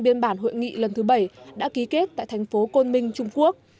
biên bản hội nghị lần thứ bảy đã ký kết tại thành phố côn minh trung quốc